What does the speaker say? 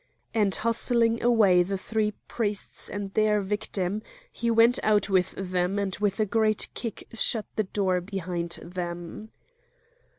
And hustling away the three priests and their victim he went out with them and with a great kick shut the door behind him.